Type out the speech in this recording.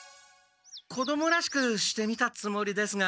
子どもらしくしてみたつもりですが。